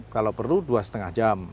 kalau perlu dua lima jam